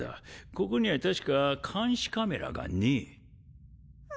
ここには確か監視カメラがねえ。